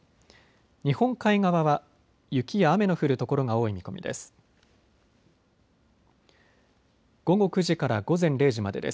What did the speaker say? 日本海側は雪や雨の降る所が多い見込みです。